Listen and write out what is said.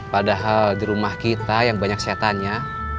padahal di rumah kita yang banyak setannya